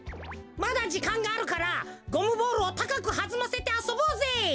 まだじかんがあるからゴムボールをたかくはずませてあそぼうぜ！